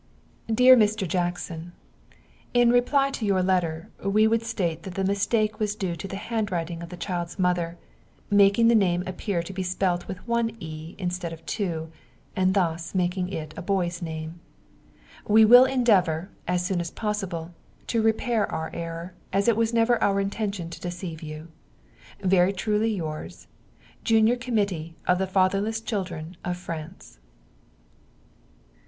Dear Mr. Jackson In reply to your letter, we would state that the mistake was due to the handwriting of the child's mother, making the name appear to be spelt with one "e" instead of two, and thus making it a boy's name. We will endeavor, as soon as possible, to repair our error, as it was never our intention to deceive you. Very truly yours. Junior Committee of the Fatherless Children of France.